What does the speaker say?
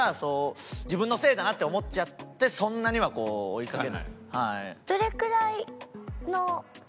自分のせいだなって思っちゃってそんなには追いかけない。